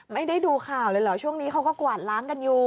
ไม่ได้ดูข่าวเลยเหรอช่วงนี้เขาก็กวาดล้างกันอยู่